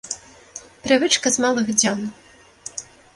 Прывычка з малых дзён.